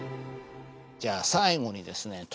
じゃあ最後にですね